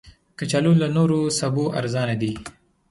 کچالو له نورو سبو ارزانه دي